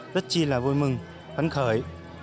rất chi là vui mừng vấn khởi